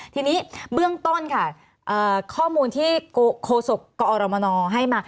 ทีนี้เบื้องต้นค่ะข้อมูลที่โคศกกอรมนให้มา